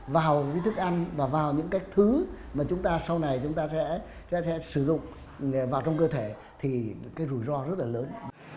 vào cái thức ăn và vào những cái thứ mà chúng ta sau này chúng ta sẽ sử dụng vào trong cơ thể thì cái rủi ro rất là lớn